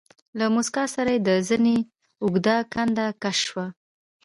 له موسکا سره يې د زنې اوږده کنده کش شوه.